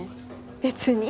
別に。